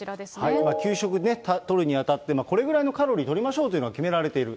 給食とるにあたって、これぐらいのカロリーとりましょうというのは決められている。